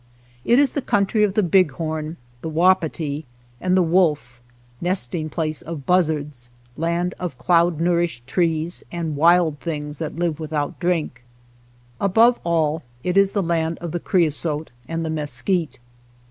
It is the country of the bighorn, the wapiti, and the wolf, nesting place of buz zards, land of cloud nourished trees and wild things that live without drink. Above all, it is the land of the creosote and the mesquite.